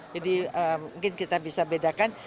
jadi mungkin kita bisa bedakan